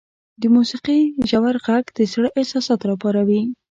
• د موسیقۍ ژور ږغ د زړه احساسات راپاروي.